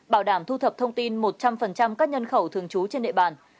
bảo đảm thu thập thông tin một trăm linh các nhân khẩu thường trú trên nệ bản